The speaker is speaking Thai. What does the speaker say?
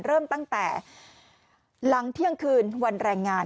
เริ่มตั้งแต่หลังเที่ยงคืนวันแรงงาน